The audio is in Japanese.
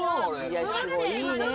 いやすごいいいね。